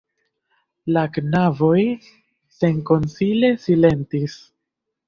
La knaboj senkonsile silentis.